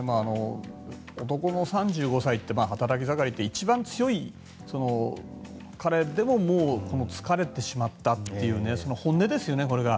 男の３５歳って働き盛りな一番強い彼でももう疲れてしまったという本音ですよね、これが。